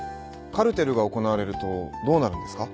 カルテルが行われるとどうなるんですか？